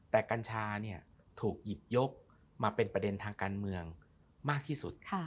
แต่กัญชาถูกหยิบยกมาเป็นประเด็นทางการเมืองมากที่สุด